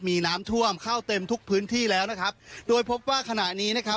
มีน้ำท่วมเข้าเต็มทุกพื้นที่แล้วนะครับโดยพบว่าขณะนี้นะครับ